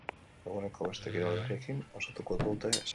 Eguneko beste kirol berriekin osatuko dute saioa.